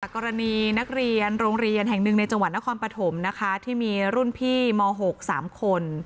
กรณีนักเรียนโรงเรียนแห่งหนึ่งในจังหวัดนครปฐมนะคะที่มีรุ่นพี่ม๖๓คน